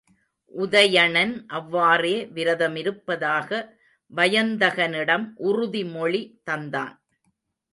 உதயணன் அவ்வாறே விரதமிருப்பதாக வயந்தகனிடம் உறுதிமொழி தந்தான்.